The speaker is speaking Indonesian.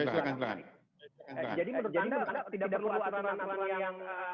tidak perlu aturan aturan yang